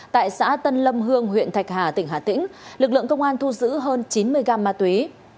tại xã tân lâm hương huyện thạch hà tỉnh hà tĩnh lực lượng công an thu giữ hơn chín mươi gam ma túy